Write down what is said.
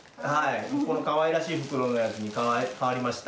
かわいらしい袋のやつに変わりました。